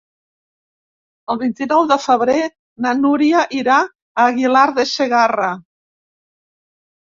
El vint-i-nou de febrer na Núria irà a Aguilar de Segarra.